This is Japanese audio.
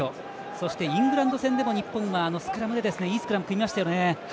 そして、イングランド戦でもスクラムでいいスクラム組みましたよね。